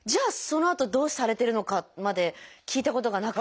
そのあとどうされてるのかまで聞いたことがなくって。